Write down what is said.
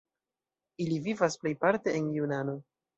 Ili vivas plejparte en Junano.